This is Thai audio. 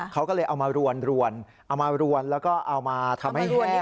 เขาก็เลยเอามารวนแล้วก็เอามาทำให้แห้ง